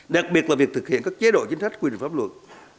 đặc biệt là việc thực hiện các chế độ chính sách quy định pháp luật